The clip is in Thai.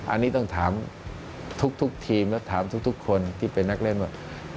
อันนี้ต้องถามทุกทีมและถามทุกคนที่เป็นนักเล่นว่า